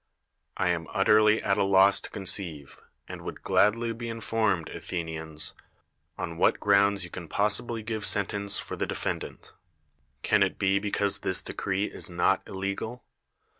I am utterly at a loss to conceive, and would gladly be informed, Athenians, on what grounds you can possibly give sentence for the defendant. Can it be because this decree is not illegal?